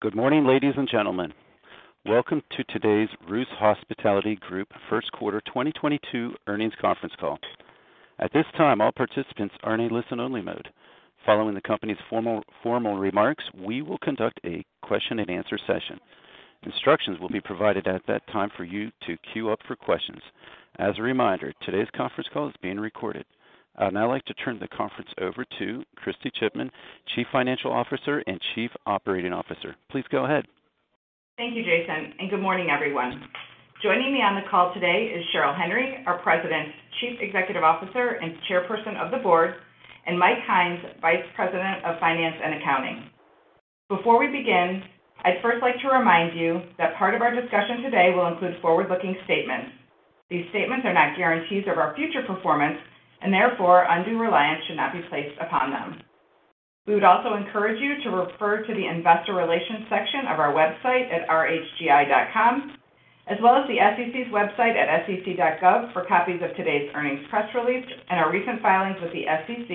Good morning, ladies and gentlemen. Welcome to today's Ruth's Hospitality Group First Quarter 2022 Earnings Conference Call. At this time, all participants are in a listen-only mode. Following the company's formal remarks, we will conduct a question-and-answer session. Instructions will be provided at that time for you to queue up for questions. As a reminder, today's conference call is being recorded. I'd now like to turn the conference over to Kristy Chipman, Chief Financial Officer and Chief Operating Officer. Please go ahead. Thank you, Jason, and good morning, everyone. Joining me on the call today is Cheryl Henry, our President, Chief Executive Officer, and Chairperson of the Board, and Mike Hynes, Vice President of Finance and Accounting. Before we begin, I'd first like to remind you that part of our discussion today will include forward-looking statements. These statements are not guarantees of our future performance, and therefore, undue reliance should not be placed upon them. We would also encourage you to refer to the investor relations section of our website at rhgi.com, as well as the SEC's website at sec.gov for copies of today's earnings press release and our recent filings with the SEC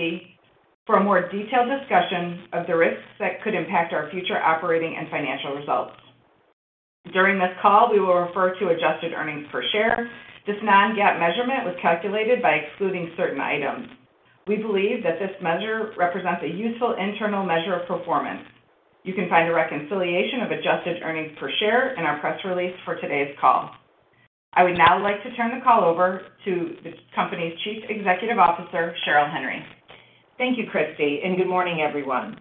for a more detailed discussion of the risks that could impact our future operating and financial results. During this call, we will refer to adjusted earnings per share. This non-GAAP measurement was calculated by excluding certain items. We believe that this measure represents a useful internal measure of performance. You can find a reconciliation of adjusted earnings per share in our press release for today's call. I would now like to turn the call over to the company's Chief Executive Officer, Cheryl Henry. Thank you, Kristy, and good morning, everyone.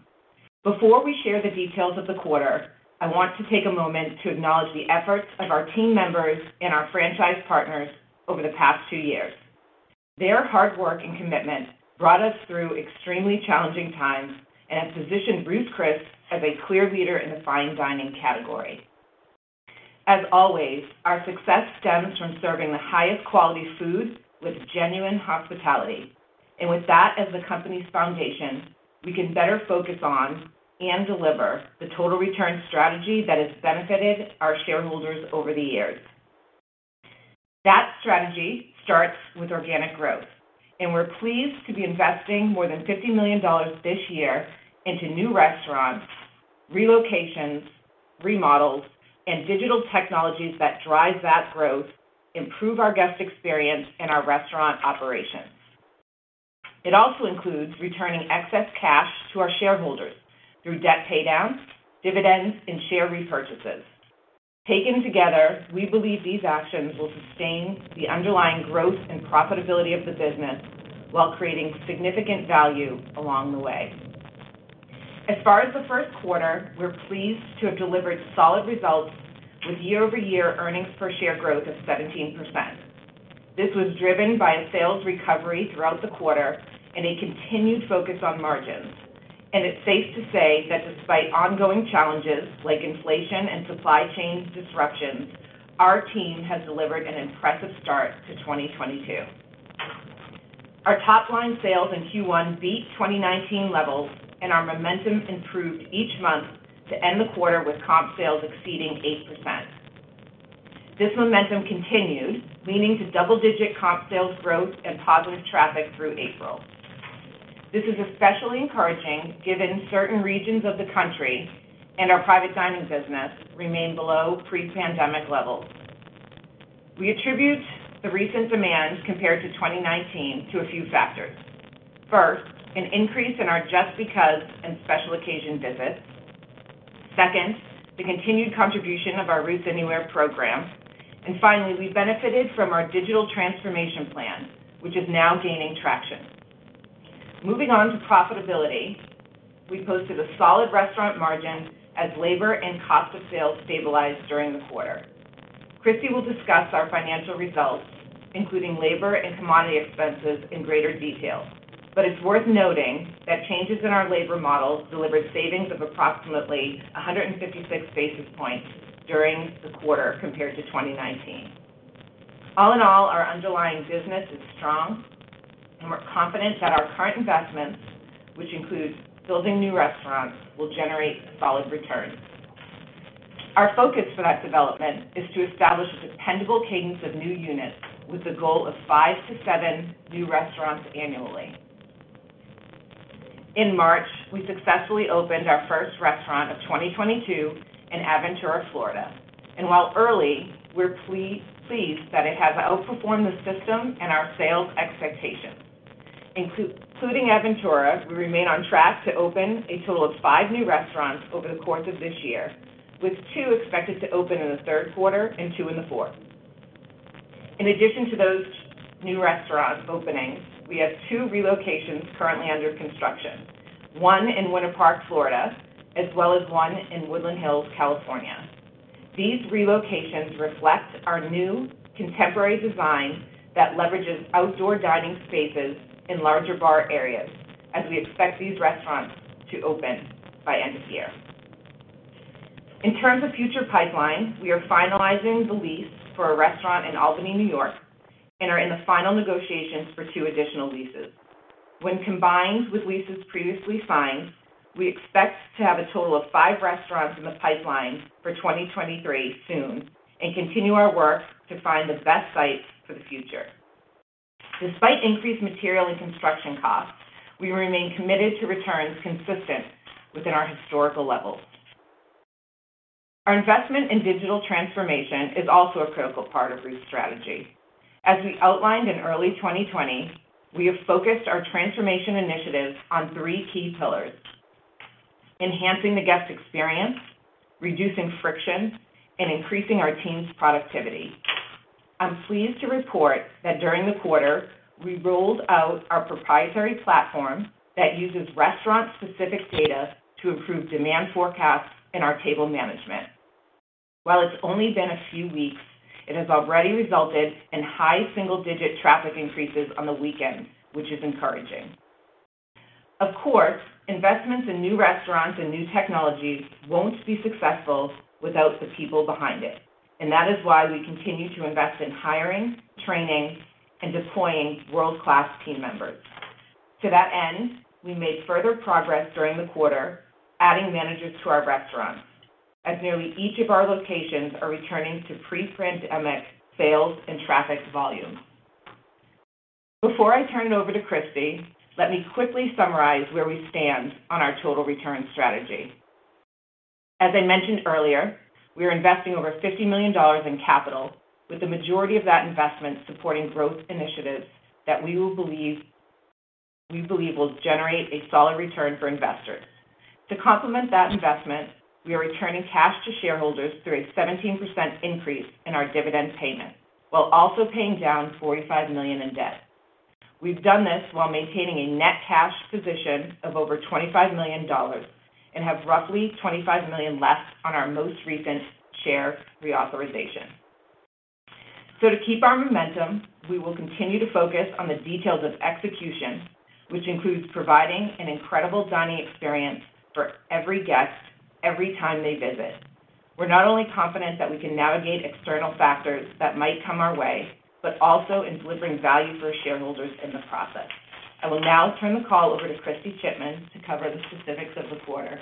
Before we share the details of the quarter, I want to take a moment to acknowledge the efforts of our team members and our franchise partners over the past two years. Their hard work and commitment brought us through extremely challenging times and have positioned Ruth's Chris as a clear leader in the fine dining category. As always, our success stems from serving the highest quality food with genuine hospitality. With that as the company's foundation, we can better focus on and deliver the total return strategy that has benefited our shareholders over the years. That strategy starts with organic growth, and we're pleased to be investing more than $50 million this year into new restaurants, relocations, remodels, and digital technologies that drive that growth, improve our guest experience and our restaurant operations. It also includes returning excess cash to our shareholders through debt paydowns, dividends, and share repurchases. Taken together, we believe these actions will sustain the underlying growth and profitability of the business while creating significant value along the way. As far as the first quarter, we're pleased to have delivered solid results with year-over-year earnings per share growth of 17%. This was driven by a sales recovery throughout the quarter and a continued focus on margins. It's safe to say that despite ongoing challenges like inflation and supply chain disruptions, our team has delivered an impressive start to 2022. Our top line sales in Q1 beat 2019 levels, and our momentum improved each month to end the quarter with comp sales exceeding 8%. This momentum continued, leading to double-digit comp sales growth and positive traffic through April. This is especially encouraging given certain regions of the country and our private dining business remain below pre-pandemic levels. We attribute the recent demand compared to 2019 to a few factors. First, an increase in our Just Because and Special Occasion visits. Second, the continued contribution of our Ruth's Anywhere program. Finally, we benefited from our digital transformation plan, which is now gaining traction. Moving on to profitability, we posted a solid restaurant margin as labor and cost of sales stabilized during the quarter. Kristy will discuss our financial results, including labor and commodity expenses, in greater detail. It's worth noting that changes in our labor models delivered savings of approximately 156 basis points during the quarter compared to 2019. All in all, our underlying business is strong, and we're confident that our current investments, which includes building new restaurants, will generate solid returns. Our focus for that development is to establish a dependable cadence of new units with the goal of 5-7 new restaurants annually. In March, we successfully opened our first restaurant of 2022 in Aventura, Florida. While early, we're pleased that it has outperformed the system and our sales expectations. Including Aventura, we remain on track to open a total of 5 new restaurants over the course of this year, with 2 expected to open in the third quarter and 2 in the fourth. In addition to those new restaurant openings, we have 2 relocations currently under construction, one in Winter Park, Florida, as well as one in Woodland Hills, California. These relocations reflect our new contemporary design that leverages outdoor dining spaces and larger bar areas as we expect these restaurants to open by end of year. In terms of future pipeline, we are finalizing the lease for a restaurant in Albany, New York, and are in the final negotiations for two additional leases. When combined with leases previously signed, we expect to have a total of five restaurants in the pipeline for 2023 soon and continue our work to find the best sites for the future. Despite increased material and construction costs, we remain committed to returns consistent within our historical levels. Our investment in digital transformation is also a critical part of this strategy. As we outlined in early 2020, we have focused our transformation initiatives on three key pillars. Enhancing the guest experience, reducing friction, and increasing our team's productivity. I'm pleased to report that during the quarter, we rolled out our proprietary platform that uses restaurant-specific data to improve demand forecasts and our table management. While it's only been a few weeks, it has already resulted in high single-digit traffic increases on the weekend, which is encouraging. Of course, investments in new restaurants and new technologies won't be successful without the people behind it, and that is why we continue to invest in hiring, training, and deploying world-class team members. To that end, we made further progress during the quarter, adding managers to our restaurants as nearly each of our locations are returning to pre-pandemic sales and traffic volumes. Before I turn it over to Kristy, let me quickly summarize where we stand on our total return strategy. As I mentioned earlier, we are investing over $50 million in capital, with the majority of that investment supporting growth initiatives that we believe will generate a solid return for investors. To complement that investment, we are returning cash to shareholders through a 17% increase in our dividend payment while also paying down $45 million in debt. We've done this while maintaining a net cash position of over $25 million and have roughly $25 million left on our most recent share reauthorization. To keep our momentum, we will continue to focus on the details of execution, which includes providing an incredible dining experience for every guest every time they visit. We're not only confident that we can navigate external factors that might come our way, but also in delivering value for our shareholders in the process. I will now turn the call over to Kristy Chipman to cover the specifics of the quarter.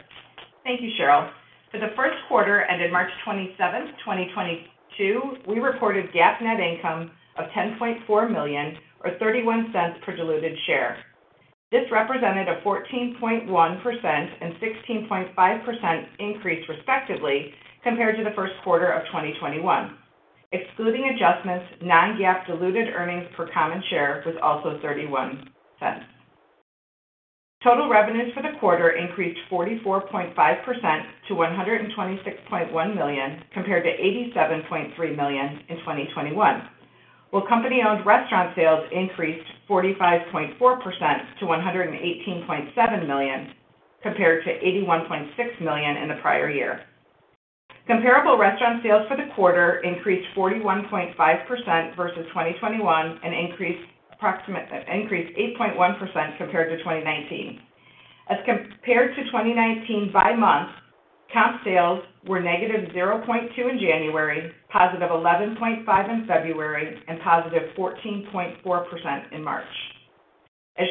Thank you, Cheryl. For the first quarter ended March 27, 2022, we reported GAAP net income of $10.4 million or $0.31 per diluted share. This represented a 14.1% and 16.5% increase, respectively, compared to the first quarter of 2021. Excluding adjustments, non-GAAP diluted earnings per common share was also $0.31. Total revenues for the quarter increased 44.5% to $126.1 million, compared to $87.3 million in 2021, while company-owned restaurant sales increased 45.4% to $118.7 million, compared to $81.6 million in the prior year. Comparable restaurant sales for the quarter increased 41.5% versus 2021 and increased 8.1% compared to 2019. As compared to 2019 by month, comp sales were -0.2% in January, +11.5% in February, and +14.4% in March.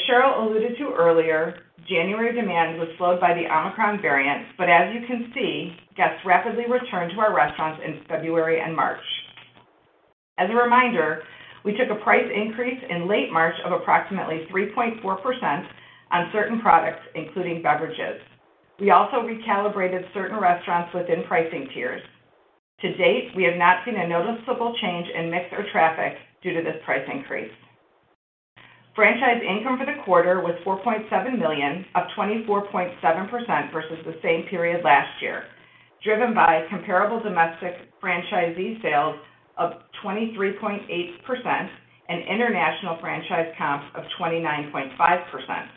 Cheryl alluded to earlier, January demand was slowed by the Omicron variant, but as you can see, guests rapidly returned to our restaurants in February and March. As a reminder, we took a price increase in late March of approximately 3.4% on certain products, including beverages. We also recalibrated certain restaurants within pricing tiers. To date, we have not seen a noticeable change in mix or traffic due to this price increase. Franchise income for the quarter was $4.7 million, up 24.7% versus the same period last year, driven by comparable domestic franchisee sales of 23.8% and international franchise comps of 29.5%.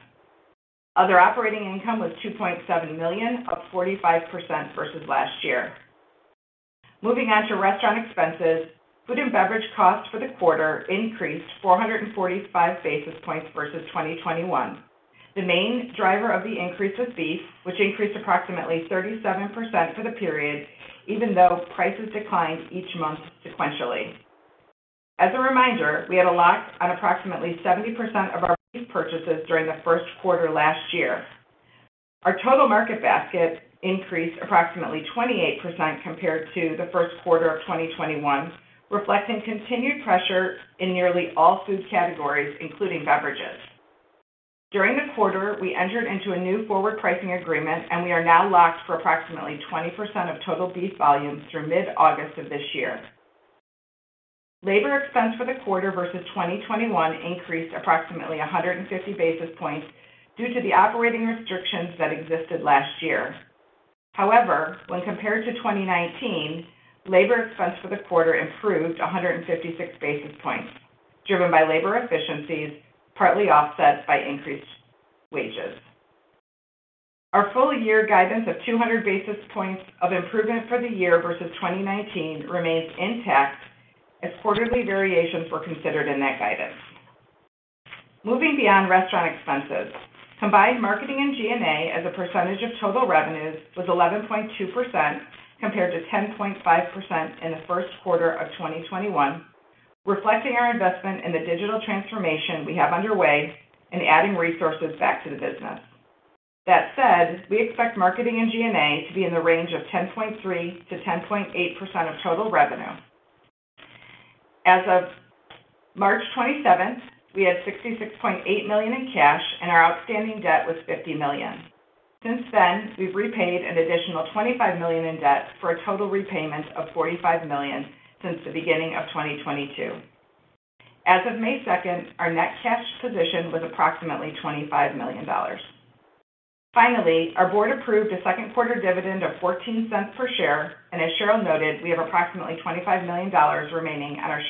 Other operating income was $2.7 million, up 45% versus last year. Moving on to restaurant expenses, food and beverage costs for the quarter increased 445 basis points versus 2021. The main driver of the increase was beef, which increased approximately 37% for the period, even though prices declined each month sequentially. As a reminder, we had a lock on approximately 70% of our beef purchases during the first quarter last year. Our total market basket increased approximately 28% compared to the first quarter of 2021, reflecting continued pressure in nearly all food categories, including beverages. During the quarter, we entered into a new forward pricing agreement, and we are now locked for approximately 20% of total beef volumes through mid-August of this year. Labor expense for the quarter versus 2021 increased approximately 150 basis points due to the operating restrictions that existed last year. However, when compared to 2019, labor expense for the quarter improved 156 basis points, driven by labor efficiencies, partly offset by increased wages. Our full year guidance of 200 basis points of improvement for the year versus 2019 remains intact as quarterly variations were considered in that guidance. Moving beyond restaurant expenses, combined marketing and G&A as a percentage of total revenues was 11.2% compared to 10.5% in the first quarter of 2021, reflecting our investment in the digital transformation we have underway and adding resources back to the business. That said, we expect marketing and G&A to be in the range of 10.3%-10.8% of total revenue. As of March twenty-seventh, we had $66.8 million in cash, and our outstanding debt was $50 million. Since then, we've repaid an additional $25 million in debt for a total repayment of $45 million since the beginning of 2022. As of May second, our net cash position was approximately $25 million. Finally, our board approved a second quarter dividend of $0.14 per share, and as Cheryl noted, we have approximately $25 million remaining at our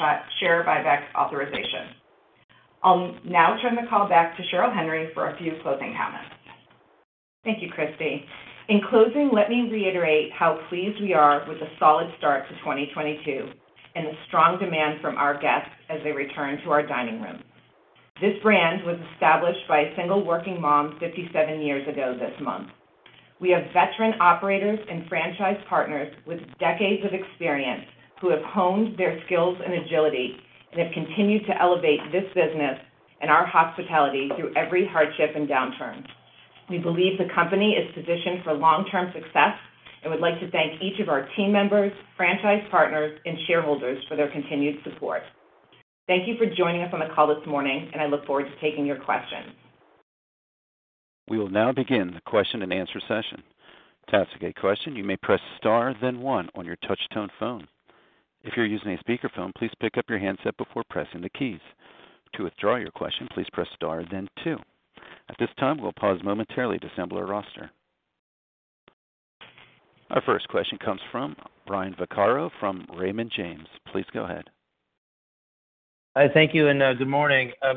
share buyback authorization. I'll now turn the call back to Cheryl Henry for a few closing comments. Thank you, Kristy. In closing, let me reiterate how pleased we are with the solid start to 2022 and the strong demand from our guests as they return to our dining room. This brand was established by a single working mom 57 years ago this month. We have veteran operators and franchise partners with decades of experience who have honed their skills and agility and have continued to elevate this business and our hospitality through every hardship and downturn. We believe the company is positioned for long-term success and would like to thank each of our team members, franchise partners, and shareholders for their continued support. Thank you for joining us on the call this morning, and I look forward to taking your questions. We will now begin the question-and-answer session. To ask a question, you may press star then one on your touch tone phone. If you're using a speakerphone, please pick up your handset before pressing the keys. To withdraw your question, please press star then two. At this time, we'll pause momentarily to assemble our roster. Our first question comes from Brian Vaccaro from Raymond James. Please go ahead. Hi, thank you, and good morning. I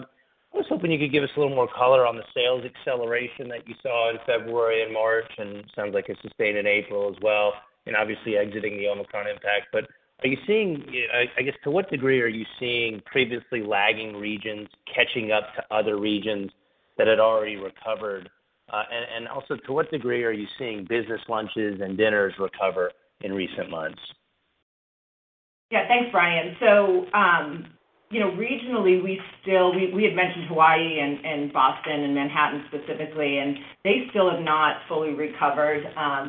was hoping you could give us a little more color on the sales acceleration that you saw in February and March, and it sounds like it sustained in April as well. Obviously exiting the Omicron impact. Are you seeing, I guess to what degree are you seeing previously lagging regions catching up to other regions that had already recovered? And also, to what degree are you seeing business lunches and dinners recover in recent months? Yeah. Thanks, Brian. So, you know, regionally, we still had mentioned Hawaii and Boston and Manhattan specifically, and they still have not fully recovered.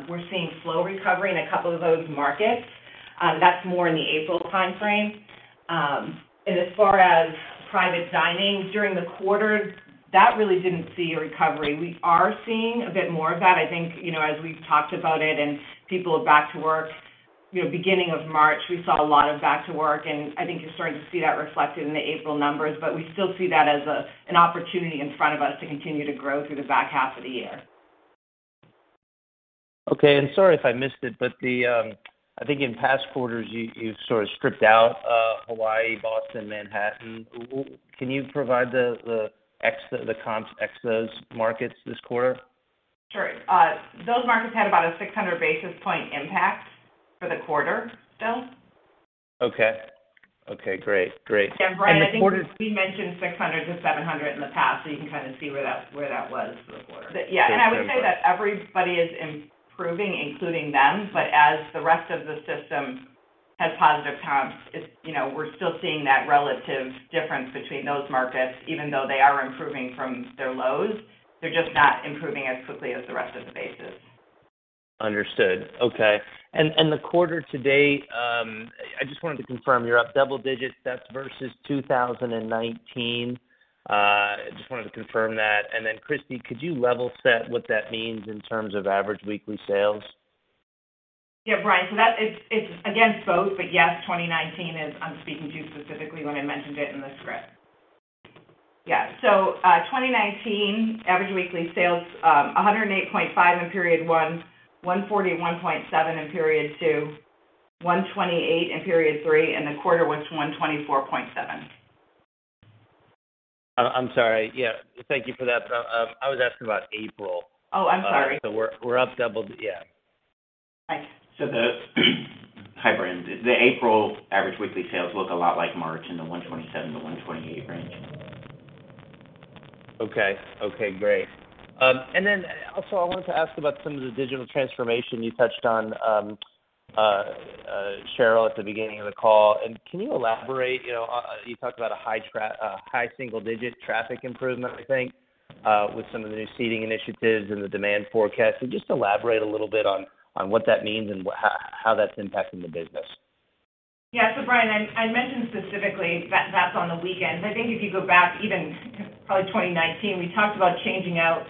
We're seeing slow recovery in a couple of those markets. That's more in the April timeframe. As far as private dining, during the quarter, that really didn't see a recovery. We are seeing a bit more of that. I think, you know, as we've talked about it and people are back to work. You know, beginning of March, we saw a lot of back to work, and I think you're starting to see that reflected in the April numbers. We still see that as an opportunity in front of us to continue to grow through the back half of the year. Sorry if I missed it, but I think in past quarters, you sort of stripped out Hawaii, Boston, Manhattan. Can you provide the comps ex those markets this quarter? Sure. Those markets had about a 600 basis point impact for the quarter, still. Okay. Okay, great. Great. Brian, I think we mentioned 600-700 in the past, so you can kind of see where that was for the quarter. Yeah. I would say that everybody is improving, including them. As the rest of the system has positive comps, it's, you know, we're still seeing that relative difference between those markets, even though they are improving from their lows. They're just not improving as quickly as the rest of the bases. Understood. Okay. The quarter to date, I just wanted to confirm, you're up double digits. That's versus 2019. Just wanted to confirm that. Then, Kristy, could you level set what that means in terms of average weekly sales? Yeah, Brian, so that it's against both, but yes, 2019 is. I'm speaking specifically to when I mentioned it in the script. Yeah. 2019 average weekly sales, $108.5 in period one, $141.7 in period two, $128 in period three, and the quarter was $124.7. I'm sorry. Yeah. Thank you for that. I was asking about April. Oh, I'm sorry. We're up double. Yeah. Okay. Hi, Brian. The April average weekly sales look a lot like March in the 127-128 range. Okay, great. I wanted to ask about some of the digital transformation you touched on, Cheryl, at the beginning of the call. Can you elaborate? You know, you talked about a high single-digit traffic improvement, I think, with some of the new seating initiatives and the demand forecast. Just elaborate a little bit on what that means and how that's impacting the business. Yeah. Brian, I mentioned specifically that that's on the weekends. I think if you go back even to probably 2019, we talked about changing out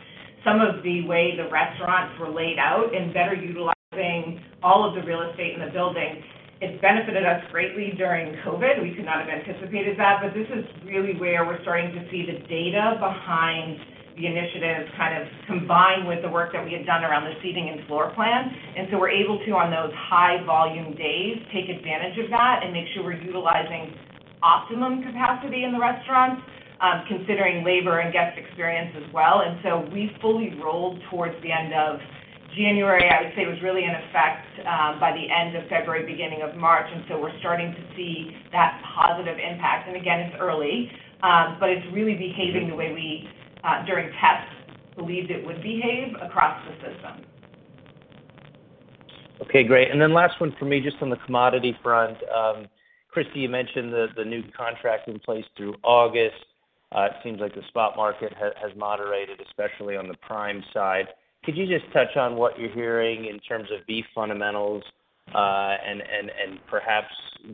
some of the way the restaurants were laid out and better utilizing all of the real estate in the building. It's benefited us greatly during COVID. We could not have anticipated that. This is really where we're starting to see the data behind the initiatives kind of combine with the work that we had done around the seating and floor plan. We're able to, on those high volume days, take advantage of that and make sure we're utilizing optimum capacity in the restaurants, considering labor and guest experience as well. We fully rolled towards the end of January. I would say it was really in effect by the end of February, beginning of March. We're starting to see that positive impact. Again, it's early, but it's really behaving the way we, during tests, believed it would behave across the system. Okay, great. Last one for me, just on the commodity front. Kristy, you mentioned the new contract in place through August. It seems like the spot market has moderated, especially on the prime side. Could you just touch on what you're hearing in terms of beef fundamentals, and perhaps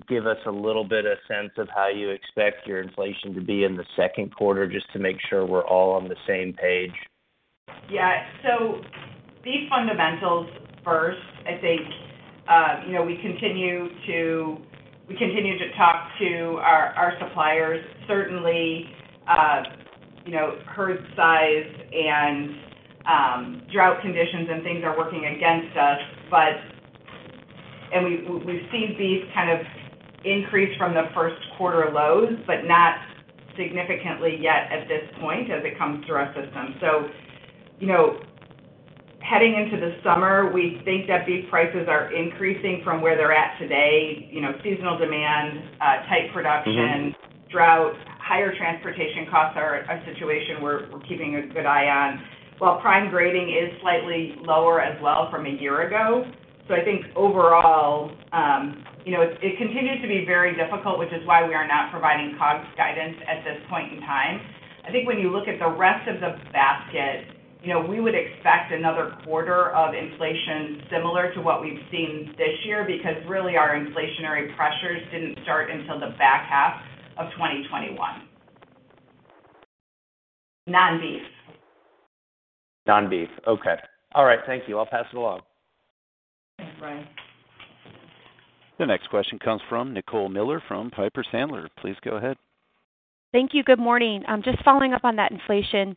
give us a little bit of sense of how you expect your inflation to be in the second quarter, just to make sure we're all on the same page? Yeah. Beef fundamentals first. I think, you know, we continue to talk to our suppliers. Certainly, you know, herd size and drought conditions and things are working against us. We've seen beef kind of increase from the first quarter lows, but not significantly yet at this point as it comes through our system. You know, heading into the summer, we think that beef prices are increasing from where they're at today. You know, seasonal demand, tight production. Mm-hmm Drought, higher transportation costs are a situation we're keeping a good eye on. While prime grading is slightly lower as well from a year ago. I think overall, you know, it continues to be very difficult, which is why we are not providing COGS guidance at this point in time. I think when you look at the rest of the basket, you know, we would expect another quarter of inflation similar to what we've seen this year because really our inflationary pressures didn't start until the back half of 2021. Non-beef. Non-beef. Okay. All right. Thank you. I'll pass it along. Thanks, Brian. The next question comes from Nicole Miller from Piper Sandler. Please go ahead. Thank you. Good morning. Just following up on that inflation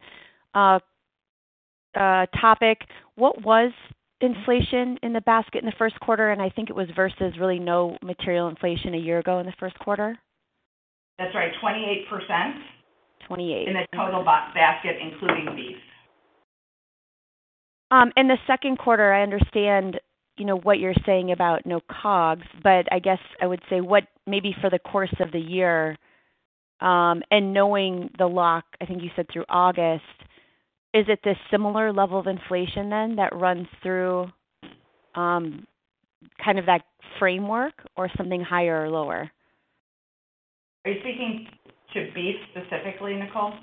topic, what was inflation in the basket in the first quarter? I think it was versus really no material inflation a year ago in the first quarter. That's right. 28%. Twenty-eight. In the total cost basket, including beef. In the second quarter, I understand, you know, what you're saying about no COGS, but I guess I would say what, maybe for the course of the year, and knowing the lock, I think you said through August, is it the similar level of inflation then that runs through, kind of that framework or something higher or lower? Are you speaking to beef specifically, Nicole?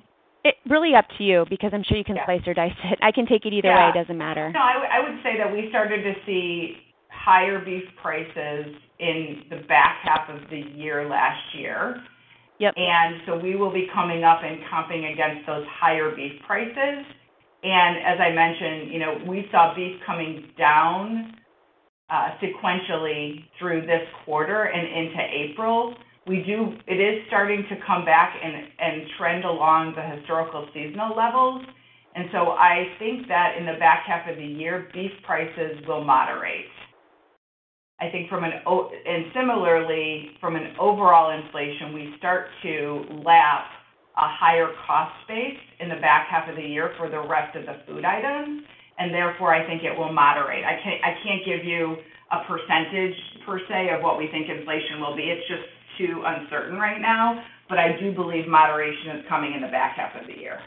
Really up to you because I'm sure you can slice or dice it. I can take it either way. It doesn't matter. No. I would say that we started to see higher beef prices in the back half of the year last year. Yep. We will be coming up and comping against those higher beef prices. As I mentioned, you know, we saw beef coming down, sequentially through this quarter and into April. It is starting to come back and trend along the historical seasonal levels. I think that in the back half of the year, beef prices will moderate. Similarly, from an overall inflation, we start to lap a higher cost base in the back half of the year for the rest of the food items, and therefore, I think it will moderate. I can't give you a percentage per se of what we think inflation will be. It's just too uncertain right now. I do believe moderation is coming in the back half of the year.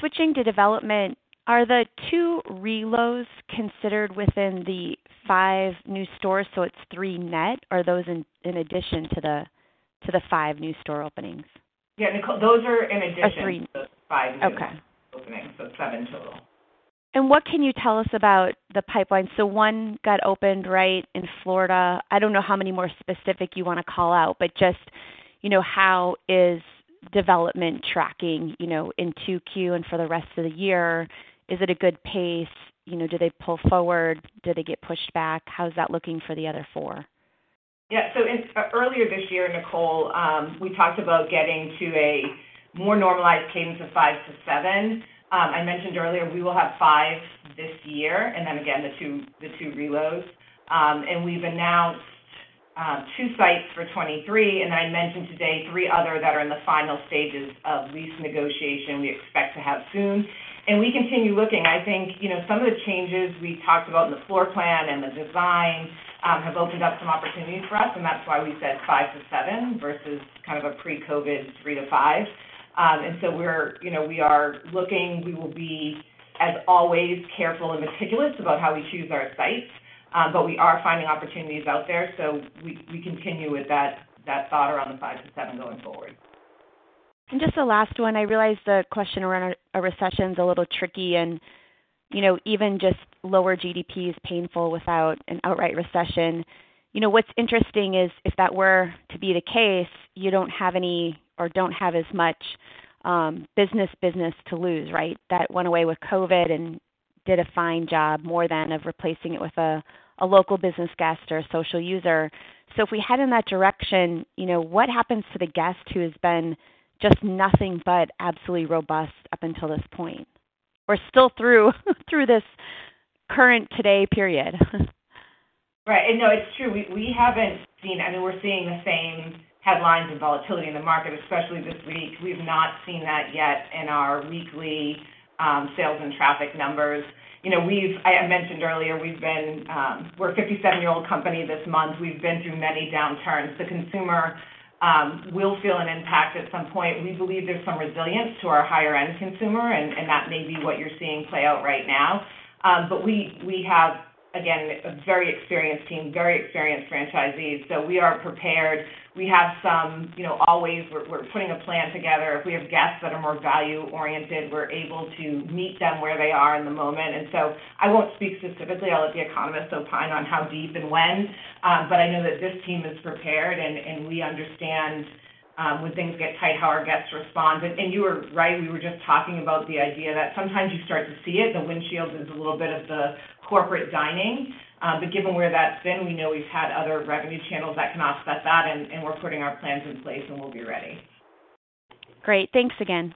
Switching to development, are the 2 reloads considered within the 5 new stores, so it's 3 net, or are those in addition to the 5 new store openings? Yeah, Nicole, those are in addition. 3.... to the five new- Okay openings. 7 total. What can you tell us about the pipeline? One got opened right in Florida. I don't know how many more specific you wanna call out, but just, you know, how is development tracking, you know, in 2Q and for the rest of the year? Is it a good pace? You know, do they pull forward? Do they get pushed back? How is that looking for the other four? Yeah. Earlier this year, Nicole, we talked about getting to a more normalized cadence of 5-7. I mentioned earlier we will have 5 this year and then again the 2 reloads. We've announced 2 sites for 2023, and I mentioned today 3 other that are in the final stages of lease negotiation we expect to have soon. We continue looking. I think, you know, some of the changes we talked about in the floor plan and the design have opened up some opportunities for us, and that's why we said 5-7 versus kind of a pre-COVID 3-5. We're, you know, looking. We will be, as always, careful and meticulous about how we choose our sites, but we are finding opportunities out there. We continue with that thought around the 5-7 going forward. Just the last one, I realize the question around a recession is a little tricky and, you know, even just lower GDP is painful without an outright recession. You know, what's interesting is if that were to be the case, you don't have any or don't have as much business to lose, right? That went away with COVID and did a fine job more than of replacing it with a local business guest or a social user. So if we head in that direction, you know, what happens to the guest who has been just nothing but absolutely robust up until this point? Or still through this current today period. Right. No, it's true. We haven't seen. I mean, we're seeing the same headlines and volatility in the market, especially this week. We've not seen that yet in our weekly sales and traffic numbers. You know, I mentioned earlier, we've been, we're a 57-year-old company this month. We've been through many downturns. The consumer will feel an impact at some point. We believe there's some resilience to our higher end consumer, and that may be what you're seeing play out right now. But we have, again, a very experienced team, very experienced franchisees. We are prepared. We have some, you know, always we're putting a plan together. If we have guests that are more value-oriented, we're able to meet them where they are in the moment. I won't speak specifically. I'll let the economists opine on how deep and when, but I know that this team is prepared, and we understand when things get tight, how our guests respond. You are right, we were just talking about the idea that sometimes you start to see it. The windshield is a little bit of the corporate dining. But given where that's been, we know we've had other revenue channels that can offset that, and we're putting our plans in place, and we'll be ready. Great. Thanks again.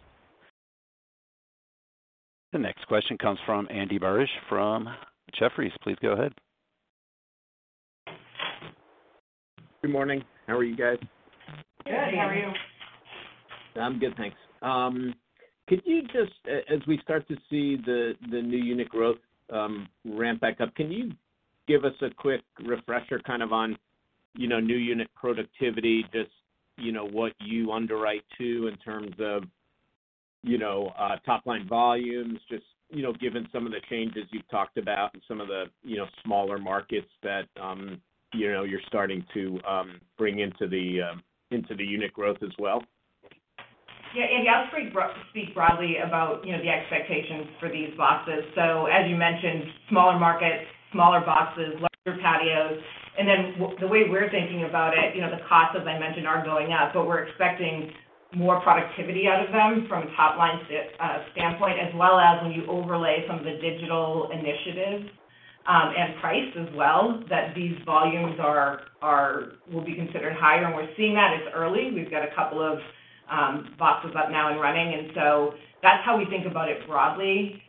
The next question comes from Andy Barish from Jefferies. Please go ahead. Good morning. How are you guys? Good. How are you? Good. I'm good, thanks. Could you just, as we start to see the new unit growth ramp back up, can you give us a quick refresher kind of on, you know, new unit productivity, just, you know, what you underwrite to in terms of, you know, top line volumes, just, you know, given some of the changes you've talked about and some of the, you know, smaller markets that, you know, you're starting to bring into the unit growth as well? Yeah, Andy, I'll speak broadly about, you know, the expectations for these boxes. As you mentioned, smaller markets, smaller boxes, larger patios. The way we're thinking about it, you know, the costs, as I mentioned, are going up, but we're expecting more productivity out of them from a top line standpoint, as well as when you overlay some of the digital initiatives and price as well, that these volumes will be considered higher. We're seeing that. It's early. We've got a couple of boxes up now and running, and so that's how we think about it broadly.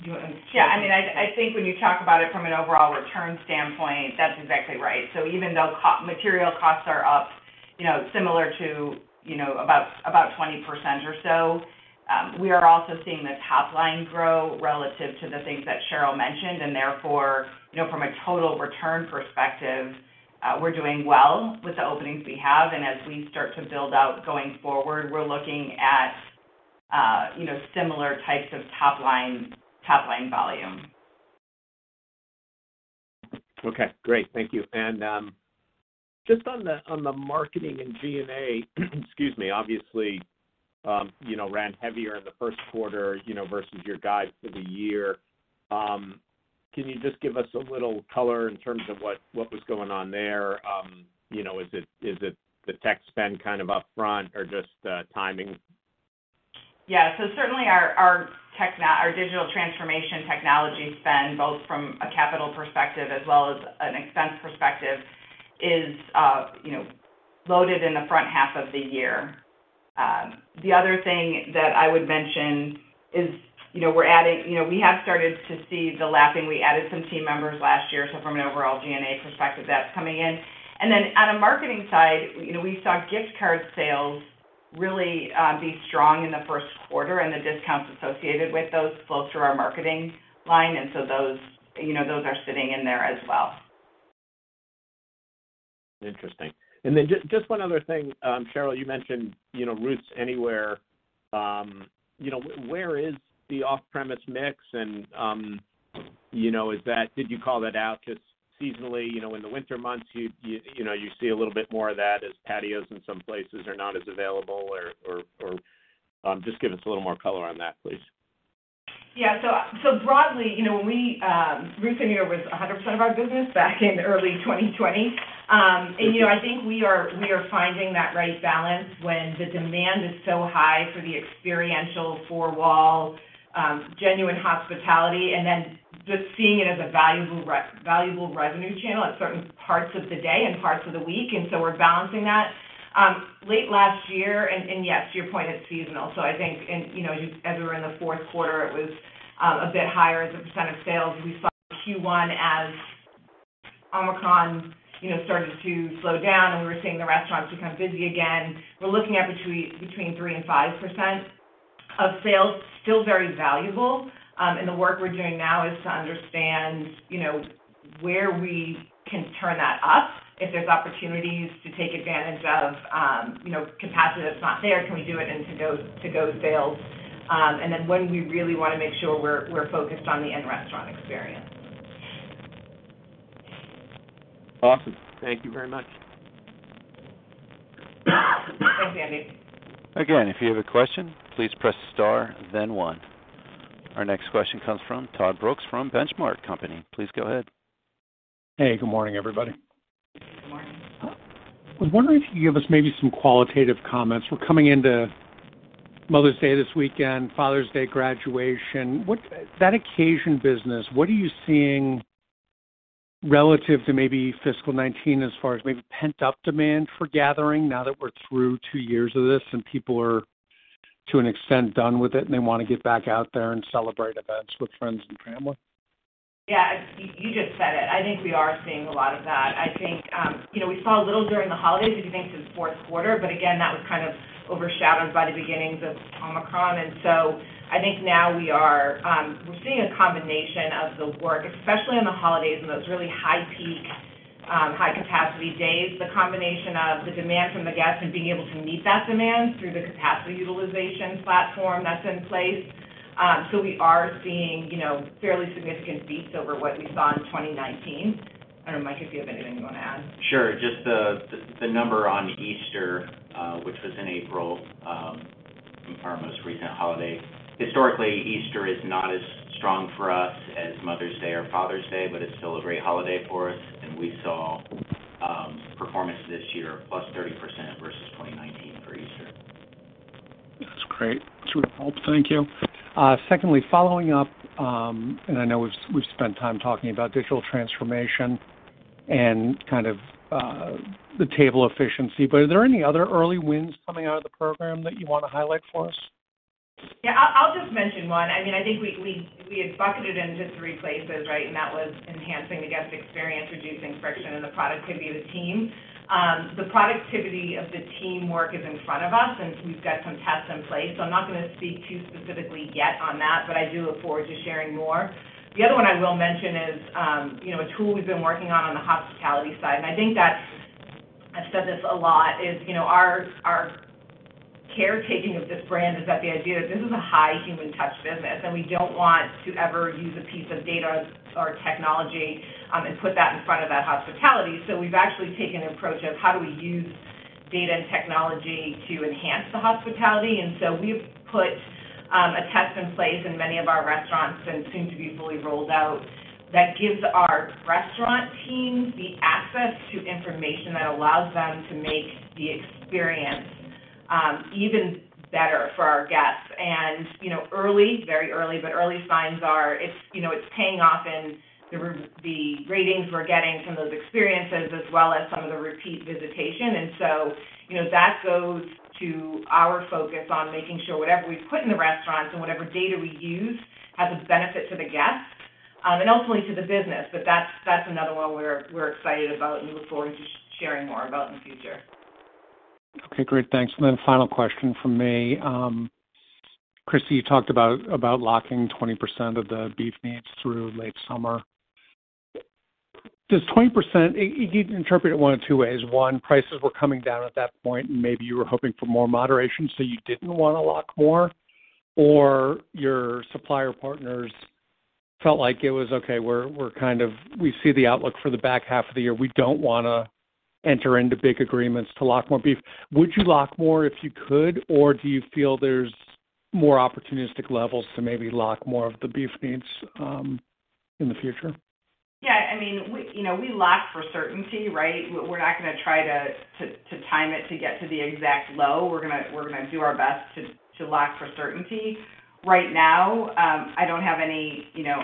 Do you wanna- Yeah. I mean, I think when you talk about it from an overall return standpoint, that's exactly right. Even though commodity costs are up, you know, similar to, you know, about 20% or so, we are also seeing the top line grow relative to the things that Cheryl mentioned. Therefore, you know, from a total return perspective, we're doing well with the openings we have. As we start to build out going forward, we're looking at, you know, similar types of top line volume. Okay, great. Thank you. Just on the marketing and G&A, excuse me, obviously, you know, ran heavier in the first quarter, you know, versus your guide for the year. Can you just give us a little color in terms of what was going on there? You know, is it the tech spend kind of upfront or just timing? Yeah. Certainly our digital transformation technology spend, both from a capital perspective as well as an expense perspective, is, you know, loaded in the front half of the year. The other thing that I would mention is, you know, we have started to see the lapping. We added some team members last year, so from an overall G&A perspective, that's coming in. Then on a marketing side, you know, we saw gift card sales really be strong in the first quarter, and the discounts associated with those flow through our marketing line, and so those, you know, those are sitting in there as well. Interesting. Just one other thing. Cheryl, you mentioned Ruth's Anywhere. Where is the off-premise mix? Did you call that out? 'Cause seasonally, in the winter months, you see a little bit more of that as patios in some places are not as available or. Just give us a little more color on that, please. Yeah. Broadly, you know, we Ruth's Anywhere was 100% of our business back in early 2020. You know, I think we are finding that right balance when the demand is so high for the experiential four-wall genuine hospitality, and then just seeing it as a valuable revenue channel at certain parts of the day and parts of the week, and we're balancing that. Late last year, yes, to your point, it's seasonal. I think, you know, as we're in the fourth quarter, it was a bit higher as a % of sales. We saw Q1 as Omicron started to slow down and we were seeing the restaurants become busy again. We're looking at between 3%-5% of sales. Still very valuable, and the work we're doing now is to understand, you know, where we can turn that up if there's opportunities to take advantage of, you know, capacity that's not there. Can we do it in to-go sales, and then we really want to make sure we're focused on the in-restaurant experience. Awesome. Thank you very much. Thanks, Andy. Again, if you have a question, please press star then one. Our next question comes from Todd Brooks from The Benchmark Company. Please go ahead. Hey, good morning, everybody. Good morning. I was wondering if you could give us maybe some qualitative comments. We're coming into Mother's Day this weekend, Father's Day, graduation. That occasion business, what are you seeing relative to maybe fiscal 2019 as far as maybe pent-up demand for gathering now that we're through two years of this and people are, to an extent, done with it, and they wanna get back out there and celebrate events with friends and family? Yeah. You just said it. I think we are seeing a lot of that. I think, you know, we saw a little during the holidays if you think back to the fourth quarter, but again, that was kind of overshadowed by the beginnings of Omicron. I think now we are seeing a combination of the workforce, especially on the holidays and those really high peak high capacity days, the combination of the demand from the guests and being able to meet that demand through the capacity utilization platform that's in place. We are seeing, you know, fairly significant peaks over what we saw in 2019. I don't know, Mike, if you have anything you wanna add. Sure. Just the number on Easter, which was in April, I think our most recent holiday. Historically, Easter is not as strong for us as Mother's Day or Father's Day, but it's still a great holiday for us, and we saw performance this year plus 30% versus 2019 for Easter. That's great. It's really helpful. Thank you. Secondly, following up, and I know we've spent time talking about digital transformation and kind of the table efficiency, but are there any other early wins coming out of the program that you wanna highlight for us? Yeah. I'll just mention one. I mean, I think we had bucketed into three places, right? That was enhancing the guest experience, reducing friction, and the productivity of the team. The productivity of the teamwork is in front of us, and we've got some tests in place. I'm not gonna speak too specifically yet on that, but I do look forward to sharing more. The other one I will mention is, you know, a tool we've been working on the hospitality side, and I think that's. I've said this a lot is, you know, our caretaking of this brand is that the idea that this is a high human touch business, and we don't want to ever use a piece of data or technology, and put that in front of that hospitality. We've actually taken an approach of how do we use data and technology to enhance the hospitality. We've put a test in place in many of our restaurants and soon to be fully rolled out that gives our restaurant teams the access to information that allows them to make the experience even better for our guests. You know, early, very early, but early signs are it's, you know, it's paying off in the ratings we're getting from those experiences as well as some of the repeat visitation. You know, that goes to our focus on making sure whatever we put in the restaurants and whatever data we use has a benefit to the guests and ultimately to the business. That's another one we're excited about and look forward to sharing more about in the future. Okay. Great. Thanks. Final question from me. Kristy Chipman, you talked about locking 20% of the beef needs through late summer. Does 20%, you can interpret it one of two ways. One, prices were coming down at that point, and maybe you were hoping for more moderation, so you didn't wanna lock more, or your supplier partners felt like it was, "Okay. We're kind of, we see the outlook for the back half of the year. We don't wanna enter into big agreements to lock more beef." Would you lock more if you could, or do you feel there's more opportunistic levels to maybe lock more of the beef needs in the future? Yeah. I mean, we, you know, we lock for certainty, right? We're not gonna try to time it to get to the exact low. We're gonna do our best to lock for certainty. Right now, I don't have any, you know,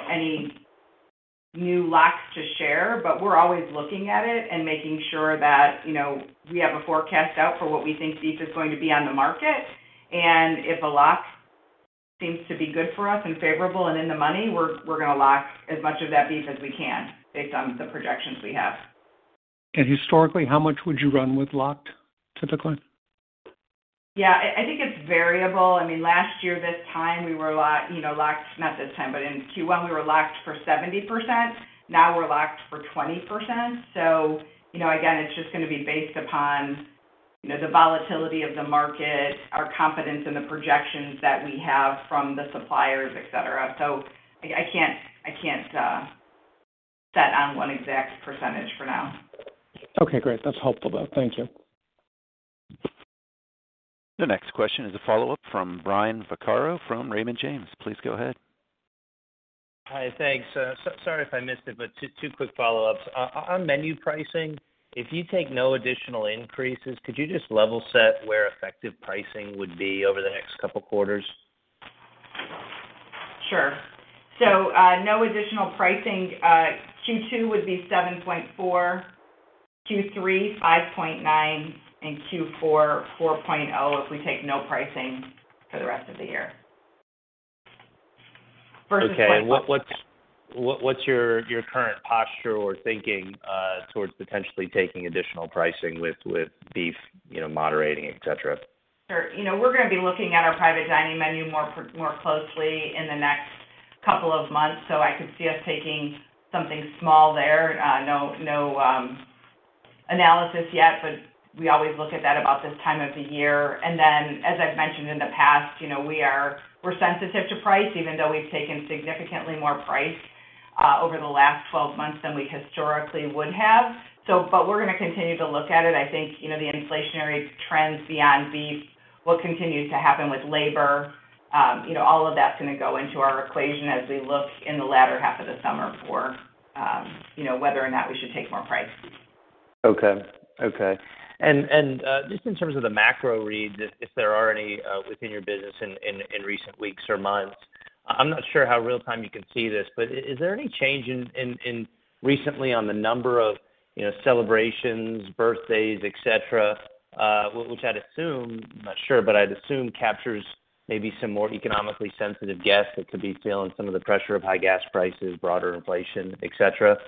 new locks to share, but we're always looking at it and making sure that, you know, we have a forecast out for what we think beef is going to be on the market. If a lock seems to be good for us and favorable and in the money, we're gonna lock as much of that beef as we can based on the projections we have. Historically, how much would you run with locked typically? Yeah. I think it's variable. I mean, last year, this time, we were locked, not this time, but in Q1, we were locked for 70%. Now we're locked for 20%. You know, again, it's just gonna be based upon the volatility of the market, our confidence in the projections that we have from the suppliers, et cetera. I can't settle on one exact percentage for now. Okay, great. That's helpful though. Thank you. The next question is a follow-up from Brian Vaccaro from Raymond James. Please go ahead. Hi. Thanks. Sorry if I missed it, but two quick follow-ups. On menu pricing, if you take no additional increases, could you just level set where effective pricing would be over the next couple quarters? Sure. No additional pricing, Q2 would be 7.4%, Q3 5.9%, and Q4 4.0% if we take no pricing for the rest of the year. Versus what- Okay. What's your current posture or thinking towards potentially taking additional pricing with beef, you know, moderating, et cetera? Sure. You know, we're gonna be looking at our private dining menu more closely in the next couple of months, so I could see us taking something small there. No analysis yet, but we always look at that about this time of the year. As I've mentioned in the past, you know, we're sensitive to price even though we've taken significantly more price over the last 12 months than we historically would have. But we're gonna continue to look at it. I think, you know, the inflationary trends beyond beef will continue to happen with labor. You know, all of that's gonna go into our equation as we look in the latter half of the summer for, you know, whether or not we should take more price. Okay. Okay. Just in terms of the macro reads, if there are any within your business in recent weeks or months? I'm not sure how real-time you can see this, but is there any change in recently on the number of, you know, celebrations, birthdays, et cetera, which I'd assume, I'm not sure, but I'd assume captures maybe some more economically sensitive guests that could be feeling some of the pressure of high gas prices, broader inflation, et cetera.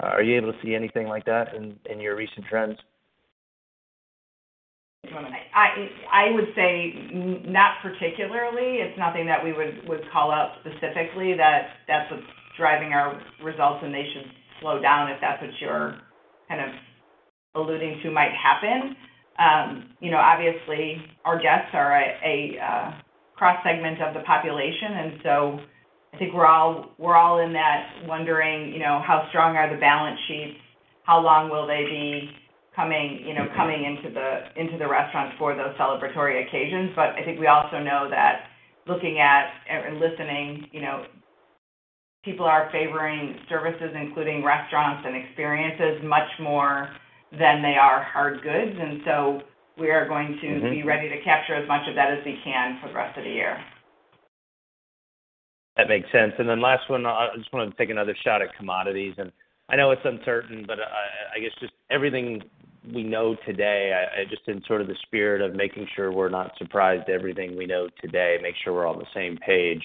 Are you able to see anything like that in your recent trends? I would say not particularly. It's nothing that we would call out specifically that that's what's driving our results and they should slow down if that's what you're kind of alluding to might happen. You know, obviously, our guests are a cross-section of the population, and so I think we're all in that wondering, you know, how strong are the balance sheets, how long will they be coming, you know, coming into the restaurants for those celebratory occasions. I think we also know that looking at and listening, you know, people are favoring services, including restaurants and experiences, much more than they are hard goods. We are going to- Mm-hmm. Be ready to capture as much of that as we can for the rest of the year. That makes sense. Last one, I just wanted to take another shot at commodities, and I know it's uncertain, but in sort of the spirit of making sure we're not surprised, everything we know today, make sure we're all on the same page.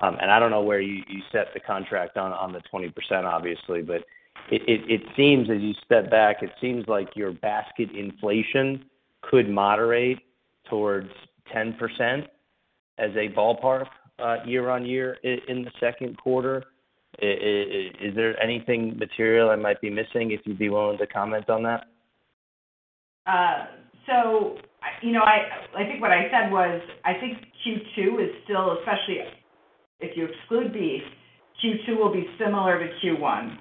I don't know where you set the contract on the 20%, obviously, but it seems as you step back, like your basket inflation could moderate towards 10% as a ballpark, year-on-year in the second quarter. Is there anything material I might be missing? If you'd be willing to comment on that. You know, I think what I said was I think Q2 is still, especially if you exclude beef, Q2 will be similar to Q1,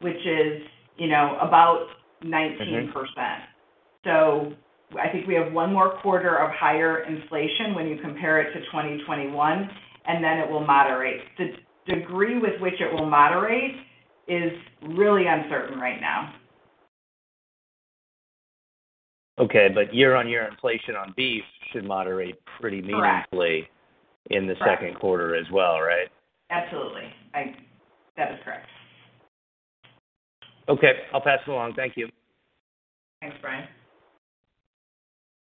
which is, you know, about 19%. Mm-hmm. I think we have one more quarter of higher inflation when you compare it to 2021, and then it will moderate. The degree with which it will moderate is really uncertain right now. Okay, year-over-year inflation on beef should moderate pretty meaningfully. Correct. In the second quarter as well, right? Absolutely. That is correct. Okay, I'll pass it along. Thank you. Thanks, Brian.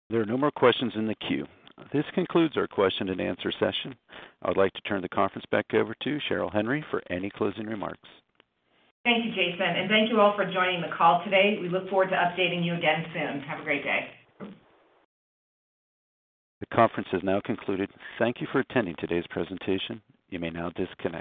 There are no more questions in the queue. This concludes our question and answer session. I would like to turn the conference back over to Cheryl Henry for any closing remarks. Thank you, Jason, and thank you all for joining the call today. We look forward to updating you again soon. Have a great day. The conference is now concluded. Thank you for attending today's presentation. You may now disconnect.